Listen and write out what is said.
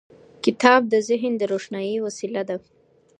کتاب د ذهن د روښنايي وسيله ده.